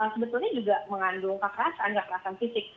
sebetulnya juga mengandung kekerasan kekerasan fisik